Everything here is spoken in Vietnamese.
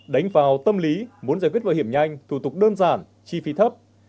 đánh vào tâm lý muốn giải quyết bảo hiểm nhanh thủ tục đơn giản chi phí thấp